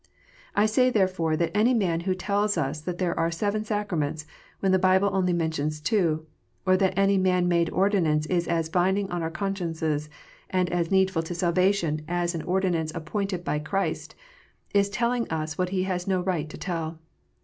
I say therefore that any man who tells us that there are seven sacraments, when the Bible only mentions two, or that any man made ordinance is as binding on our consciences and as needful to salvation as an ordinance appointed by Christ, is telling us what he has no right to tell.